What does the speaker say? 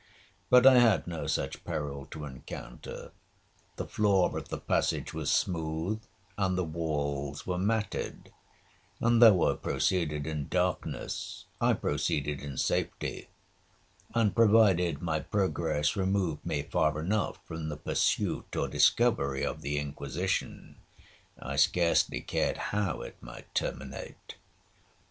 But I had no such peril to encounter,—the floor of the passage was smooth, and the walls were matted, and though I proceeded in darkness, I proceeded in safety; and provided my progress removed me far enough from the pursuit or discovery of the Inquisition, I scarcely cared how it might terminate.